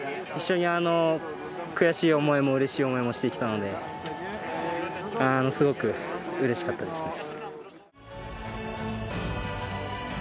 一緒に、悔しい思いもうれしい思いもしてきたのですごくうれしかったです。